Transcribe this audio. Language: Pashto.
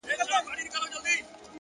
صبر د لوړو موخو تر ټولو قوي ملګری دی.!